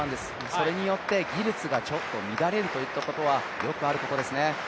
それによって技術がちょっと乱れるといったことはよくあることですね。